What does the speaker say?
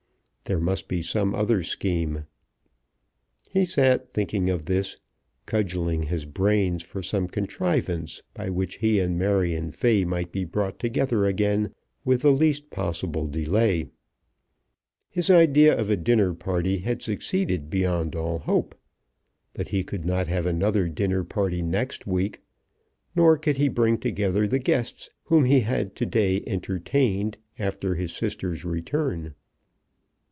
There must be some other scheme. He sat, thinking of this, cudgelling his brains for some contrivance by which he and Marion Fay might be brought together again with the least possible delay. His idea of a dinner party had succeeded beyond all hope. But he could not have another dinner party next week. Nor could he bring together the guests whom he had to day entertained after his sister's return.